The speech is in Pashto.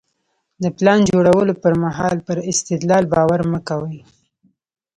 د پلان جوړولو پر مهال پر استدلال باور مه کوئ.